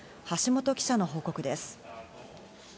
橋本記者の報告です。